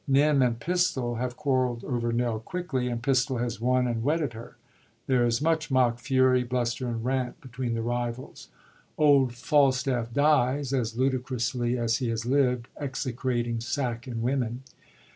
Nym and Pistol have quarreld over Nell Quickly, and Pistol has won and wedded her ; there is much mock fury, bluster, and rant 100 HENRY THE FIFTH between the rivals. Old Falstaff dies, as ludicrously as he has lived, execrating sack and women.